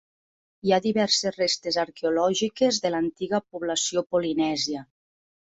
Hi ha diverses restes arqueològiques de l'antiga població polinèsia.